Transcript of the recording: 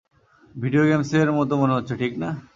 Video গেমের মতো মনে হচ্ছে, ঠিক না?